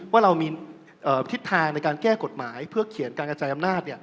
ว่าเรามีทิศทางในการแก้กฎหมายเพื่อเขียนการกระจายอำนาจ